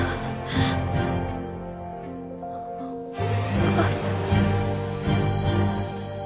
・お母さん。